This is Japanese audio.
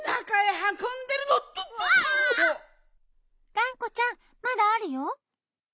がんこちゃんまだあるよ。